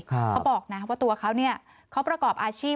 เขาบอกนะว่าตัวเขาเนี่ยเขาประกอบอาชีพ